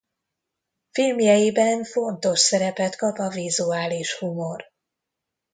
Filmjeiben fontos szerepet kap a vizuális humor.